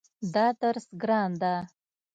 دا درس ګران ده